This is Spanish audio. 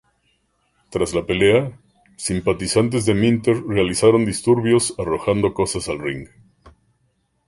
Tras la pelea simpatizantes de Minter realizaron disturbios, arrojando cosas al ring.